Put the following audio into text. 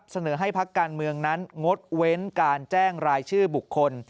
เสนอให้พักการเมืองนั้นงดเว้นการแจ้งรายชื่อบุคคล